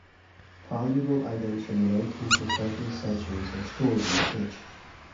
Valuable items from the nineteenth and twentieth centuries are stored in the church.